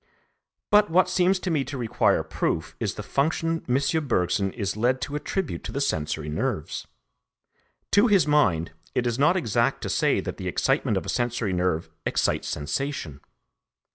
But what seems to me to require proof is the function M. Bergson is led to attribute to the sensory nerves. To his mind, it is not exact to say that the excitement of a sensory nerve excites sensation.